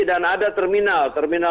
dan ada terminal